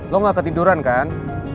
lo gak ketiduran kan